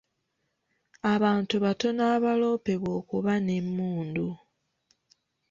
Abantu batono abaloopebwa okuba n'emmundu.